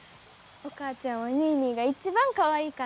お母ちゃんはニーニーが一番かわいいから。